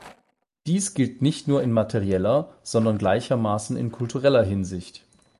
Dies gilt nicht nur in materieller, sondern gleichermaßen in kultureller Hinsicht.